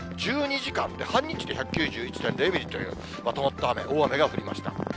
１２時間で、半日で１９１．０ミリという、まとまった雨、大雨が降りました。